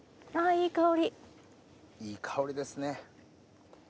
いい香りですね。